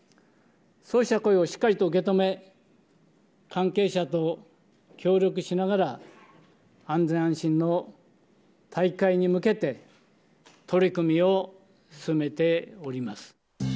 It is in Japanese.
そうした声をしっかりと受け止め、関係者と協力しながら、安全安心の大会に向けて、取り組みを進めております。